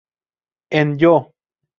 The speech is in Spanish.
En "Yo!